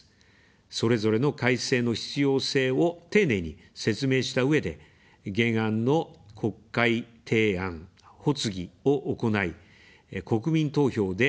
それぞれの改正の必要性を丁寧に説明したうえで、原案の国会提案・発議を行い、国民投票で判断を仰ぎます。